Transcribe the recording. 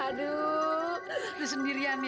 aduh lu sendirian ya